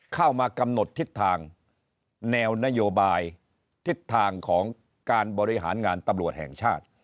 เข้ามากำหนดทิศทางแนวนโยบายทิศทางของการบริหารงานตำรวจแห่งชาติ